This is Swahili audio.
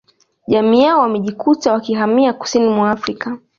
Jamii yao wamejikuta wakihamia kusini mwa Afrika